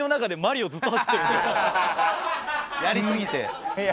やりすぎて。